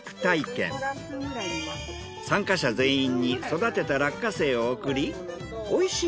参加者全員に育てた落花生を送りおいしい